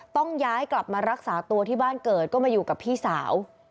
ต้องย้ายกลับมารักษาตัวที่บ้านเกิดก็มาอยู่กับพี่สาว